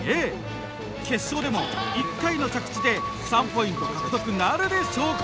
決勝でも１回の着地で３ポイント獲得なるでしょうか。